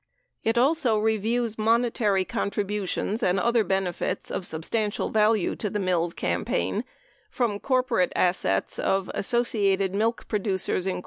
It also reviews monetary contributions and other benefits of substantial value to the Mills campaign from corporate assets of Associated Milk Producers, Inc.